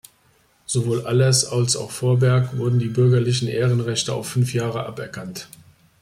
Sowohl Allers als auch Vorberg wurden die bürgerlichen Ehrenrechte auf fünf Jahre aberkannt.